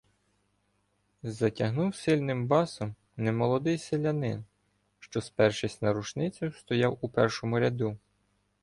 "— затягнув сильним басом немолодий селянин, що, спершись на рушницю, стояв у першому ряду.